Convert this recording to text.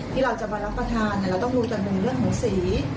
ที่เราจะมารับประทานเราต้องดูกันเป็นเรื่องของสี